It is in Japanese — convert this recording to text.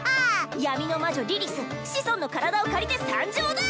闇の魔女リリス子孫の体を借りて参上だ！